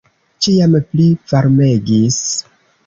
Ĉiam pli varmegis.